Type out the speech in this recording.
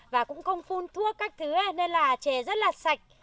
và cũng không phun thuốc các thứ nên là chè rất là sạch